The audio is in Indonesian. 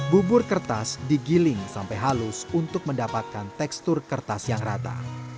bubur kertas digiling sampai halus untuk mendapatkan tekstur kertas yang rata